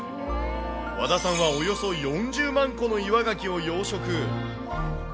和田さんはおよそ４０万個の岩ガキを養殖。